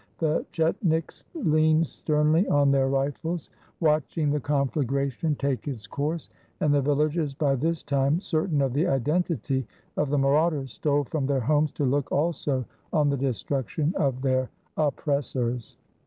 The chet niks leaned sternly on their rifles, watching the confla gration take its course, and the villagers, by this time certain of the identity of the marauders, stole from their homes to look also on the destruction of their oppressors.